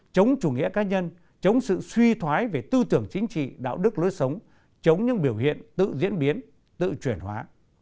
chống chủ nghĩa cá nhân chống sự suy thoái về tư tưởng chính trị đạo đức lối sống chống những biểu hiện tự diễn biến tự chuyển hóa